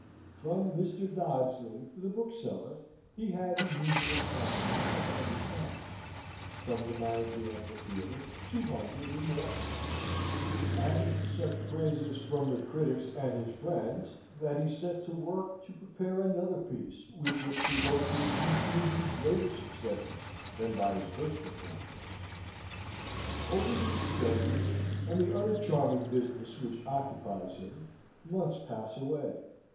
From Mr. Dodsley, the bookseller, he had the usual complement of a hundred pounds; from the manager of the theatre two hundred or more; and such praises from the critics and his friends, that he set to work to prepare another piece, with which he hoped to achieve even greater successes than by his first performance. Over these studies, and the other charming business which occupies him, months pass away.